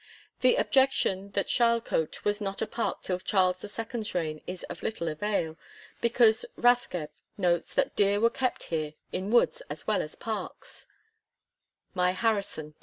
The objection that Charlecote was not a park till Charles II.'s reign is of little avail, because Rathgeb notes that deer were kept here in woods as well as parks (my Harrison^ p.